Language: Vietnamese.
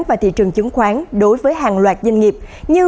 và thị trường chứng khoán đối với hàng loạt doanh nghiệp như